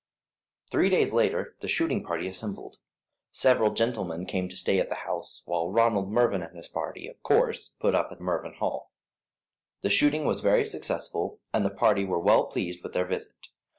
Three days later the shooting party assembled. Several gentlemen came to stay at the house, while Ronald Mervyn and his party, of course, put up at Mervyn Hall. The shooting was very successful, and the party were well pleased with their visit.